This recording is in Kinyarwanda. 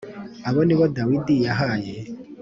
Aba ni bo Dawidij yahaye